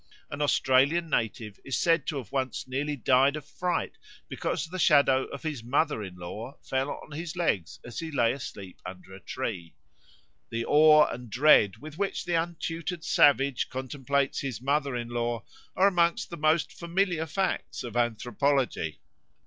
An Australian native is said to have once nearly died of fright because the shadow of his mother in law fell on his legs as he lay asleep under a tree. The awe and dread with which the untutored savage contemplates his mother in law are amongst the most familiar facts of anthropology.